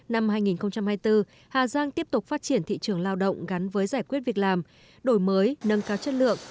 năm hai nghìn hai mươi bốn hà giang tiếp tục phát triển thị trường lao động gắn với giải quyết việc làm đổi mới nâng cao chất lượng